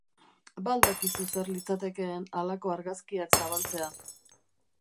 Ba al dakizu zer litzatekeen halako argazkiak zabaltzea?